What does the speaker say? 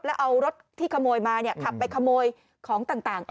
แล้วเอารถที่ขโมยมาขับไปขโมยของต่าง